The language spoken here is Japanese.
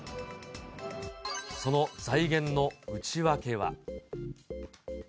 その財源の内訳は。